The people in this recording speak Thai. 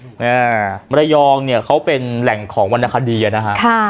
อ่ามรยองเนี้ยเขาเป็นแหล่งของวรรณคดีอ่ะนะฮะค่ะ